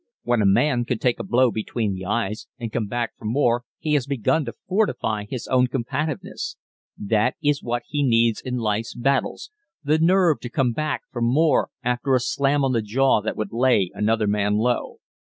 When a man can take a blow between the eyes and come back for more he has begun to fortify his own combativeness. That is what he needs in life's battles the nerve to come back for more after a slam on the jaw that would lay another man low.